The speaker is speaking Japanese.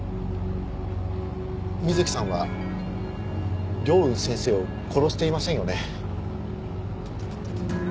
美月さんは凌雲先生を殺していませんよね？